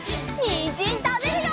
にんじんたべるよ！